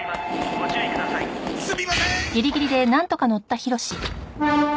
ご注意ください」すみません！